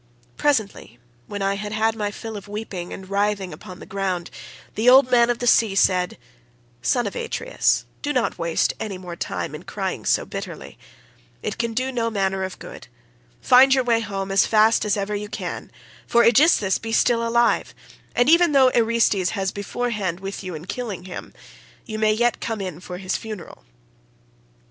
Presently, when I had had my fill of weeping and writhing upon the ground, the old man of the sea said, 'Son of Atreus, do not waste any more time in crying so bitterly; it can do no manner of good; find your way home as fast as ever you can, for Aegisthus may be still alive, and even though Orestes has been beforehand with you in killing him, you may yet come in for his funeral.